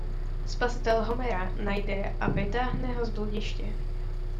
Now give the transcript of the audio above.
Spasitel Homera najde a vytáhne ho z bludiště.